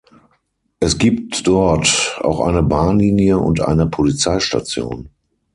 Es gibt dort auch eine Bahnlinie und eine Polizeistation.